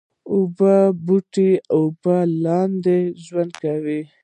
اوبو بوټي د اوبو لاندې ژوند کوي